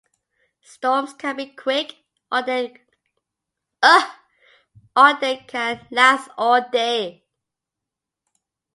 Storms can be quick, or they can last all day.